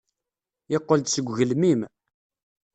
Yeqqel-d seg ugelmim.